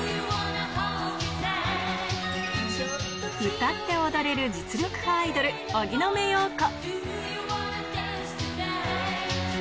歌って踊れる実力派アイドル、荻野目洋子。